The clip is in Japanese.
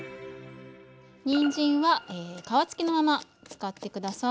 にんじんは皮つきのまま使って下さい。